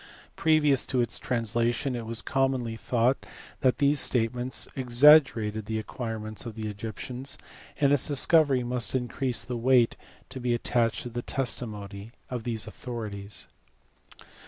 Previous to its translation it was commonly thought that these state ments exaggerated the acquirements of the Egyptians, and its discovery must increase the weight to be attached to the testimony of these authorities.